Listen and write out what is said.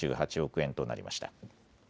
円となりました。